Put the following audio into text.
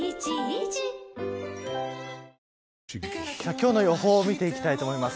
今日の予報を見ていきたいと思います。